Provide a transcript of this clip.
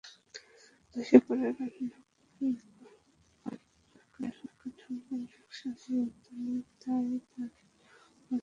ধসে পড়া রানা প্লাজার কাঠামো নকশা অনুমোদনের দায় তাঁর ওপর চাপিয়েছে দুদক।